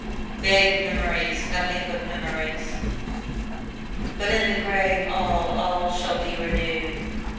Vague memories, nothing but memories, But in the grave all, all, shall be renewed.